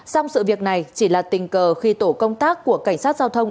xong sự việc này chỉ là tình cờ khi tổ công tác của cảnh sát giao thông